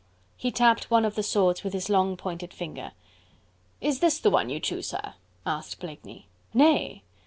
He tapped one of the swords with his long pointed finger. "Is this the one you choose, sir?" asked Blakeney. "Nay!